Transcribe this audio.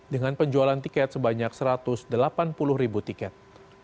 dengan penjualan tiket sebanyak satu ratus delapan puluh ribu tiket